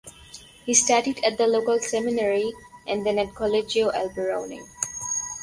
He studied at the local seminary and then at Collegio Alberoni.